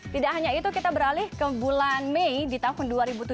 tidak hanya itu kita beralih ke bulan mei di tahun dua ribu tujuh belas